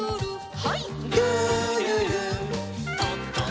はい。